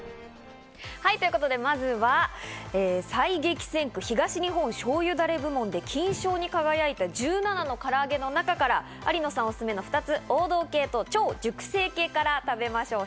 ということで、まずは最激戦区、東日本しょうゆダレ部門で金賞に輝いた１７の唐揚げの中から有野さんおすすめの２つ、王道系と超熟成系から食べましょう。